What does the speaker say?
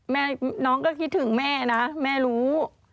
แม่น้องก็คิดถึงแม่นะแม่รู้